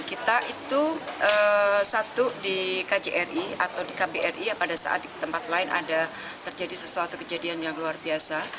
kita itu satu di kjri atau di kbri ya pada saat di tempat lain ada terjadi sesuatu kejadian yang luar biasa